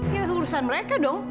ya urusan mereka dong